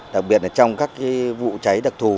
đặc biệt là trong các vụ cháy đặc thù